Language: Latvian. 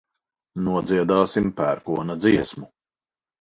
Nodziedāsim pērkona dziesmu.